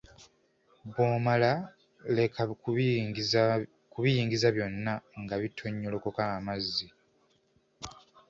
Bw‘omala leka kubiyingiza byonna nga bitonyolokoka amazzi.